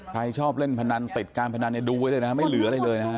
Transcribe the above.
ใครชอบเล่นพนันติดการพนันดูไว้เลยนะฮะไม่เหลืออะไรเลยนะฮะ